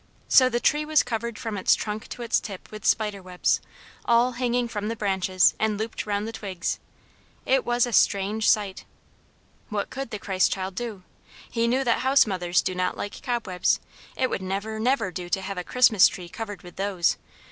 So the tree was covered from its trunk to its tip with spider webs, all hanging from the branches and looped round the twigs; it was a strange sight. What could the Christ child do? He knew that house mothers do not like cobwebs; it would never, never do to have a Christmas Tree covered with those.